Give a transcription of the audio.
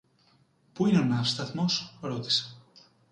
Πού είναι ο ναύσταθμος; ρώτησε.